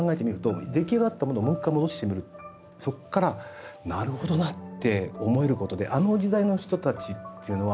でもそれ今そこからなるほどなって思えることであの時代の人たちっていうのは。